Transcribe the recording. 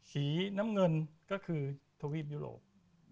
สีน้ำเงินก็คือทวีปยุโรป